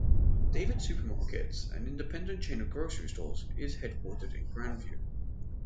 David's Supermarkets, an independent chain of grocery stores, is headquartered in Grandview.